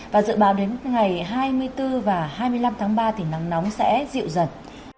và dự báo đến ngày hai mươi bốn và hai mươi năm tháng ba thì nắng nóng sẽ dịu dần